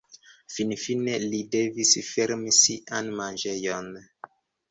Finfine li devis fermi sian manĝejon.